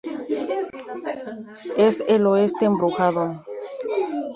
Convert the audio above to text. Es el oeste embrujado.